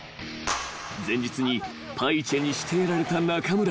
［前日にパイチェにしてやられた中村］